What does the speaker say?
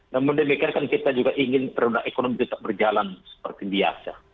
namun demikian kan kita juga ingin produk ekonomi tetap berjalan seperti biasa